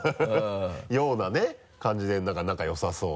ようなね感じで仲よさそうな。